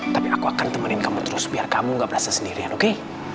tapi aku akan temenin kamu terus biar kamu gak berasa sendirian oke